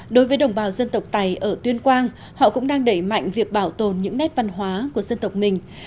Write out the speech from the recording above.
đối với đồng bào dân tộc tày ở tuyên quang họ cũng đang đẩy mạnh việc bảo tồn những nét văn hóa của dân tộc mình